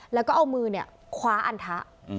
แล้วก็เอามือคว้าอันทะ